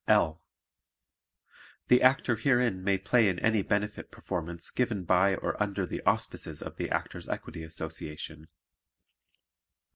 L. The Actor herein may play in any benefit performance given by or under the auspices of the Actors' Equity Association.